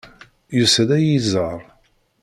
Yusa-d ad iyi-iẓer.